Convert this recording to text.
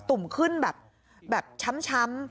ตุ่มขึ้นแบบช้ำ